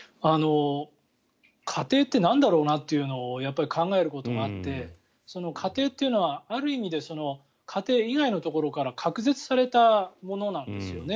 家庭ってなんだろうなというのを考えることがあって家庭というのは、ある意味で家庭以外のところから隔絶されたものなんですよね。